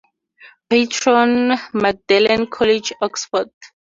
Patron, Magdalen College, Oxford.